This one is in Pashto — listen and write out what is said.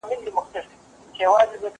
زه بايد مېوې وچوم،